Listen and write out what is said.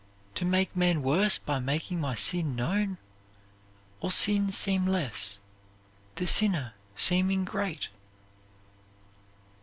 To make men worse by making my sin known? Or sin seem less, the sinner seeming great?"